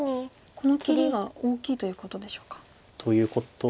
この切りが大きいということでしょうか。ということですかね